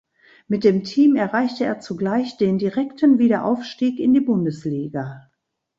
Mit dem Team erreichte er zugleich den direkten Wiederaufstieg in die Bundesliga.